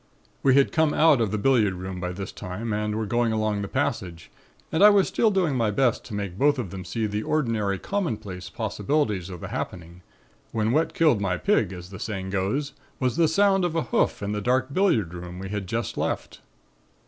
"We had come out of the billiard room by this time and were going along the passage and I was still doing my best to make both of them see the ordinary, commonplace possibilities of the happening, when what killed my pig, as the saying goes, was the sound of a hoof in the dark billiard room we had just left.